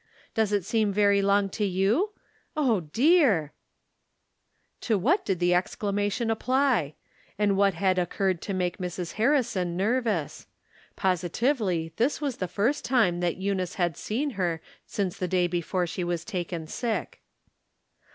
Does it seem very long to yon ? Oh, dear !" To what did the exclamation apply? And what had occurred to make Mrs. Harrison ner vous? Positively this was the first time that Eunice had seen her since the day before she was taken sick.